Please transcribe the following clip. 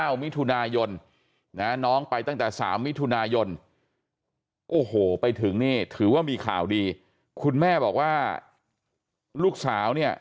มิถุนายนนะน้องไปตั้งแต่๓มิถุนายนโอ้โหไปถึงนี่ถือว่ามีข่าวดีคุณแม่บอกว่าลูกสาวเนี่ย